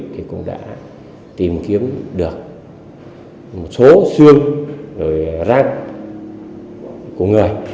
thì cũng đã tìm kiếm được một số xương rồi rác của người